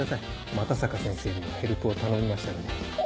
又坂先生にもヘルプを頼みましたので。